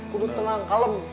kudu tenang kalem